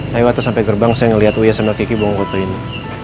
tadi waktu sampai gerbang saya ngeliat wia sama kiki bongkok bongkok ini